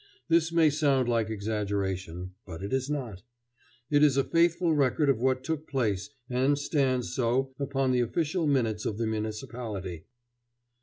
This may sound like exaggeration; but it is not. It is a faithful record of what took place and stands so upon the official minutes of the municipality. [Illustration: The Deserted Quay.